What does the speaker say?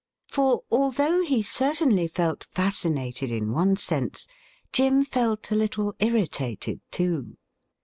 For, although he certainly felt fascinated in one sense, Jim felt a little irritated too.